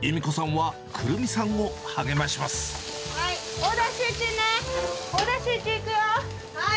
はい！